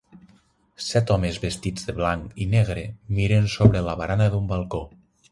Set homes vestits de blanc i negre miren sobre la barana d'un balcó.